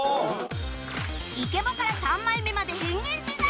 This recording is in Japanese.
イケボから３枚目まで変幻自在